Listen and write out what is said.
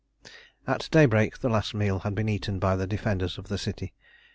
At daybreak the last meal had been eaten by the defenders of the city.